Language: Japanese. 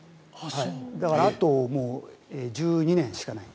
だから、あと１２年しかない。